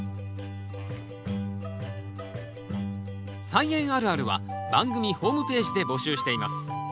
「菜園あるある」は番組ホームページで募集しています。